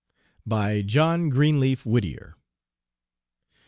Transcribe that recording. BY JOHN GREENLEAF WHITTIER.